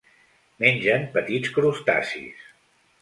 Mengen petits crustacis.